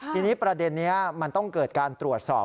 ทีนี้ประเด็นนี้มันต้องเกิดการตรวจสอบ